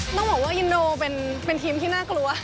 ต้องบอกว่าอินโดเป็นทีมที่น่ากลัว